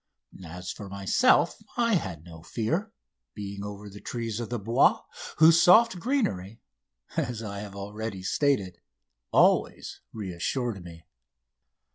As for myself, I had no fear, being over the trees of the Bois, whose soft greenery, as I have already stated, always reassured me.